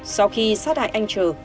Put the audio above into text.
sau khi sát hại anh trờ